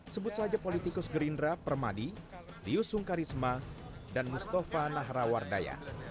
sebut saja politikus gerindra permadi rius sungkarisma dan mustafa nahrawardaya